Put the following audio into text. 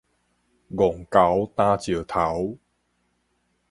戇猴擔石頭